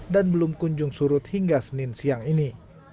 dan belum kunjung surut hingga senin siang ini